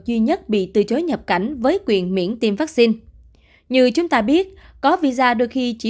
duy nhất bị từ chối nhập cảnh với quyền miễn tiêm vaccine như chúng ta biết có visa đôi khi chỉ